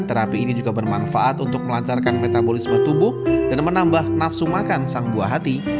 terapi ini juga bermanfaat untuk melancarkan metabolisme tubuh dan menambah nafsu makan sang buah hati